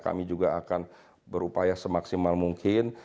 kami juga akan berupaya semaksimal mungkin